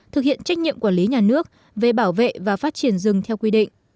thực hiện trách nhiệm quản lý nhà nước về bảo vệ và phát triển rừng theo quy định